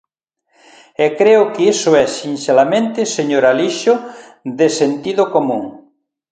E creo que iso é, sinxelamente, señor Alixo, de sentido común.